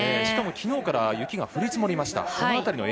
しかも昨日から雪が降り積もりました。